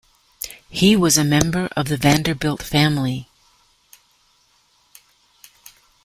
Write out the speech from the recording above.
He was a member of the Vanderbilt family.